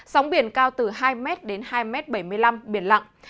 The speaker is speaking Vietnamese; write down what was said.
sóng biển cao từ hai m đến hai m bảy mươi năm biển lặng